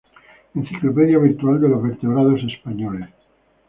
Enciclopedia Virtual de lo Vertebrados Españoles.